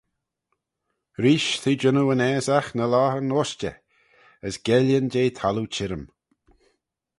Reesht t'eh jannoo yn aasagh ny loghan ushtey: as geillyn jeh thalloo chirrym.